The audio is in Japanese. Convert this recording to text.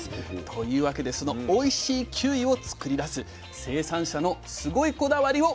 というわけでそのおいしいキウイを作り出す生産者のすごいこだわりを見てみましょう。